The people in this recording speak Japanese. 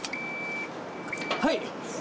はい。